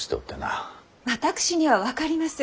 私には分かります。